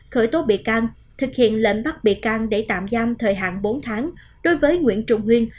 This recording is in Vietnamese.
khởi tố bị can thực hiện lệnh bắt bị can để tạm giam thời hạn bốn tháng đối với nguyễn trung huyên